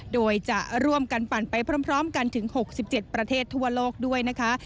โดยจะร่วมกันปั่นไปพร้อมกันถึง๖๗ประเทศทั่วโลกด้วยนะคะ